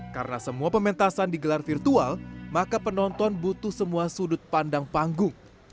karena semua pementasan digelar virtual maka penonton butuh semua sudut pandang panggung